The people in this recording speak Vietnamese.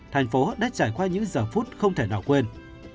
tp hcm đã trải qua những giờ phút không thể nào quên